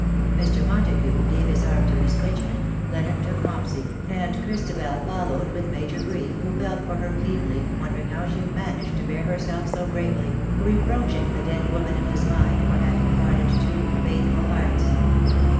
Mr. Montagu gave his arm to Miss Bridgeman, Leonard took Mopsy, and Christabel followed with Major Bree, who felt for her keenly, wondering how she managed to bear herself so bravely, reproaching the dead 214 woman in his mind for having parted two faithful hearts.